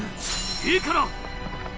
いいから！